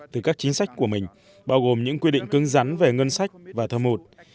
từ các chính sách của mình bao gồm những quy định cứng rắn về ngân sách và thờ mụt